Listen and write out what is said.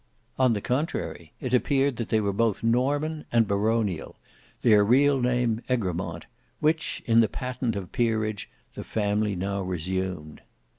On the contrary, it appeared that they were both Norman and baronial, their real name Egremont, which, in their patent of peerage the family now resumed.